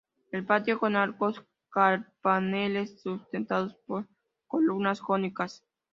El patio, con arcos carpaneles sustentados por columnas jónicas.